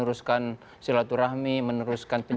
itu kita tunggu kapan